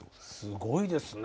すごいですね。